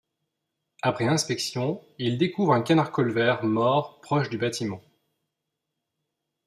Après inspection, il découvre un canard colvert mort proche du bâtiment.